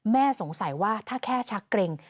สงสัยว่าถ้าแค่ชักเกร็ง